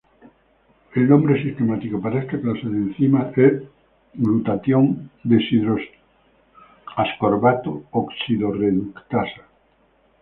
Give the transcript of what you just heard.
El nombre sistemático para esta clase de enzimas es glutatión:deshidroascorbato oxidorreductasa.